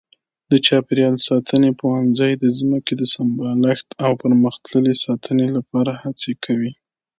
د چاپېریال ساتنې پوهنځی د ځمکې د سمبالښت او پرمختللې ساتنې لپاره هڅې کوي.